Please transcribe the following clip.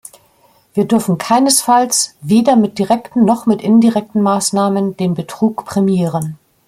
Wir dürfen keinesfalls, weder mit direkten noch mit indirekten Maßnahmen, den Betrug prämieren.